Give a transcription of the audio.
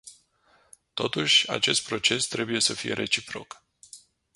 Totuși, acest proces trebuie să fie reciproc.